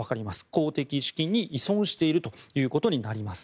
公的資金に依存しているということになります。